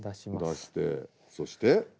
出してそして。